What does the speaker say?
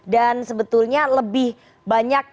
dan sebetulnya lebih banyak